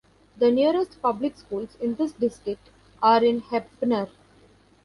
The nearest public schools in this district are in Heppner.